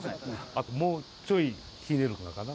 あともうちょいひねるのかな。